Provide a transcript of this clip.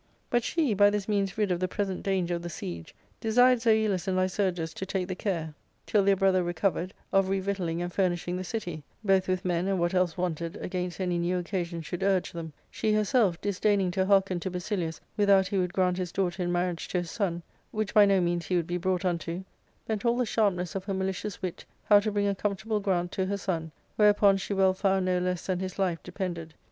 But she, by this means rid of the present danger of the siege, desired Zoilus and Lycurgus to take the care, till their * To gild gold— ^^ To gild refined gold ; to paint the lily." — King John, act iv. so. 2. ARCADIA.^Book III. ZZ7 brother recovered, of revictualling and furnishing the city, both with men and what else wanted, against any new occa sion should urge them ; she herself, disdaining to hearken to Basilius without he would grant his daughter in marriage to her son, which by no means he would be brought untoj bent all the sharpness of her malicious wit how to bring a comfortable grant to her son, whereupon she well found no less than his life depended.